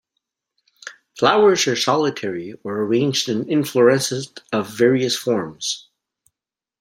Flowers are solitary or arranged in inflorescences of various forms.